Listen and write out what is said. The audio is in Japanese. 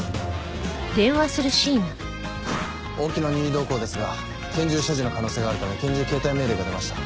大木の任意同行ですが拳銃所持の可能性があるため拳銃携帯命令が出ました。